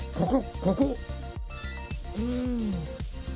ここ！